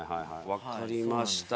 分かりました。